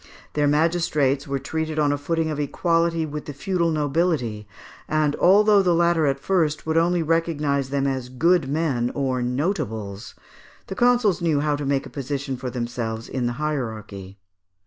Their magistrates were treated on a footing of equality with the feudal nobility, and although the latter at first would only recognise them as "good men" or notables, the consuls knew how to make a position for themselves in the hierarchy.